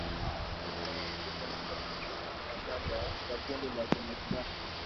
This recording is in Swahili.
kulingana na ripoti ya mwaka elfu mbili kumi na saba ya kundi la kimazingira